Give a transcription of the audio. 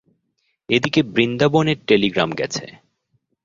এ দিকে বৃন্দাবনে টেলিগ্রাম গেছে।